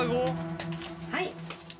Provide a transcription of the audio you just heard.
はい。